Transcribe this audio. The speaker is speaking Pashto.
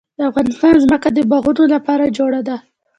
د افغانستان ځمکه د باغونو لپاره جوړه ده.